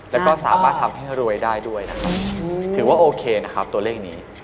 แล้วก็สามารถทำให้รวยได้ด้วยนะครับถือว่าโอเคนะครับตัวเลขนี้